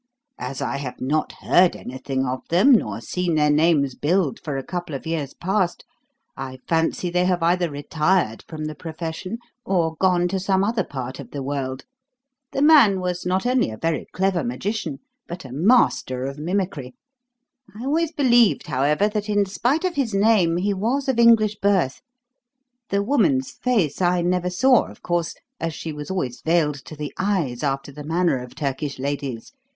As I have not heard anything of them nor seen their names billed for a couple of years past, I fancy they have either retired from the profession or gone to some other part of the world. The man was not only a very clever magician, but a master of mimicry. I always believed, however, that in spite of his name he was of English birth. The woman's face I never saw, of course, as she was always veiled to the eyes after the manner of Turkish ladies.